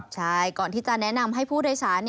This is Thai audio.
ใช่ก่อนที่จะแนะนำให้ผู้ธรรมไตรศาสตร์